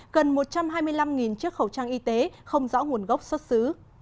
gần một trăm hai mươi năm chiếc khẩu trang y tế không rõ nguồn gốc xuất xứ